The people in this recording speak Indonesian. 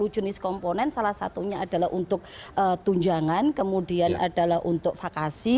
sepuluh jenis komponen salah satunya adalah untuk tunjangan kemudian adalah untuk vakasi